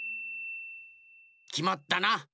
きまったな。